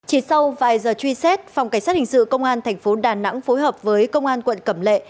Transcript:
chỉ sau vài giờ truy xét phòng cảnh sát hình sự công an thành phố đà nẵng phối hợp với công an quận cẩm lệ